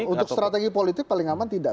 untuk strategi politik paling aman tidak